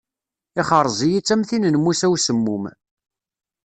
Ixṛez-iyi-tt am tin n Musa Usemmum.